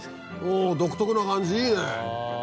おぉ独特な感じいいね！